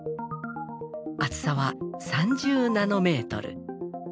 厚さは３０ナノメートル。